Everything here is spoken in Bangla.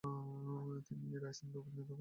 তিনি রাইসেন দুর্গের নিয়ন্ত্রণ নেন।